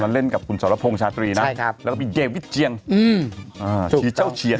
เป็นเล่นกับคุณทรพวงชาตรีนะแล้วก็ไดวิสเจียงชีเจ้าเฉียน